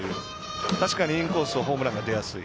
確かにインコースホームラン出やすい。